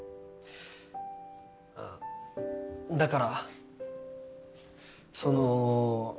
あっだからその。